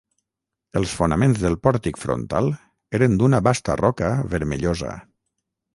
Els fonaments del pòrtic frontal eren d'una basta roca vermellosa.